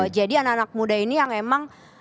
jadi anak anak muda ini yang emang